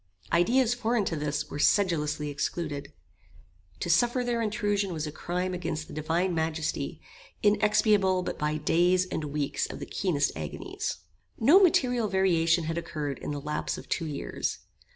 Ideas foreign to this were sedulously excluded. To suffer their intrusion was a crime against the Divine Majesty inexpiable but by days and weeks of the keenest agonies. No material variation had occurred in the lapse of two years.